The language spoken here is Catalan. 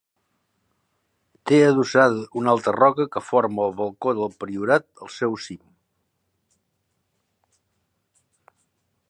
Té adossada una altra roca que forma el Balcó del Priorat al seu cim.